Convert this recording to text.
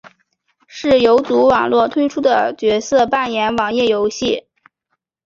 是游族网络推出的角色扮演网页游戏。